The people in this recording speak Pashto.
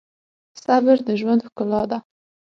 صبر د ژوند ښکلا ده.